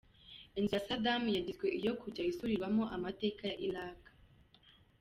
Inzu ya Saddam yagizwe iyo kujya isurirwamo amateka ya Iraq.